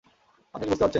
আপনি কী বুঝতে পারছেন?